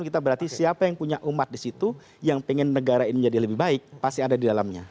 kita berarti siapa yang punya umat di situ yang pengen negara ini menjadi lebih baik pasti ada di dalamnya